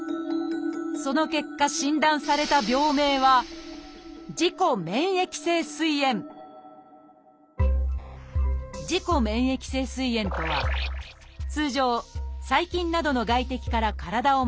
その結果診断された病名は「自己免疫性すい炎」とは通常細菌などの外敵から体を守る